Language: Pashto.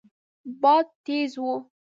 باد تېز و.